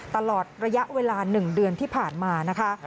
ตลอดระยะเวลา๑เดือนที่ผ่านมานะคะ